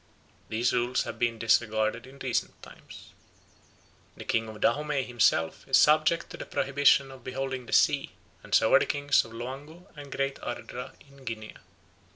These rules have been disregarded in recent times." The king of Dahomey himself is subject to the prohibition of beholding the sea, and so are the kings of Loango and Great Ardra in Guinea.